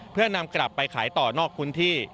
เพื่อนำกลับไปขายต่อนอกพื้นที่